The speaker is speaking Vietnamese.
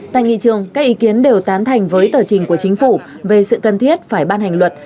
tại nghị trường các ý kiến đều tán thành với tờ trình của chính phủ về sự cần thiết phải ban hành luật